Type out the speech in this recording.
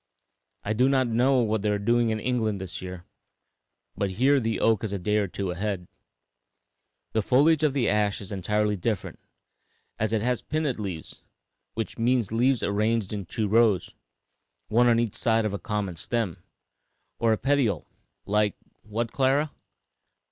I do not know what they are doing in England this year, but here the oak is a day or two ahead. The foliage of the ash is entirely different, as it has pinnate leaves, which means leaves arranged in two rows, one on each side of a common stem, or petiole, like What, Clara?"